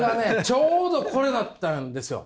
ちょうどこれだったんですよ。